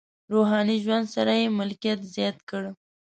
روحاني ژوند سره یې ملکیت زیات کړ.